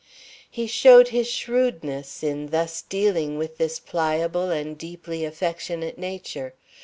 He showed his shrewdness in thus dealing with this pliable and deeply affectionate nature.